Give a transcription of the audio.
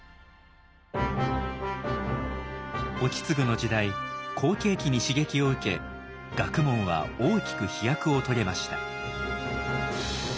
意次の時代好景気に刺激を受け学問は大きく飛躍を遂げました。